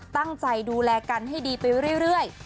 ตั้งใจดูแลกันให้ดีไปเรื่อย